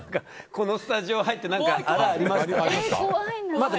このスタジオ入ってあら、ありました？